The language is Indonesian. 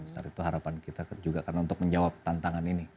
saat itu harapan kita juga karena untuk menjawab tantangan ini